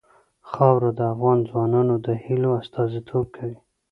خاوره د افغان ځوانانو د هیلو استازیتوب کوي.